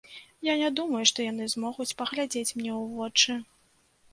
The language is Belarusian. Я не думаю, што яны змогуць паглядзець мне ў вочы.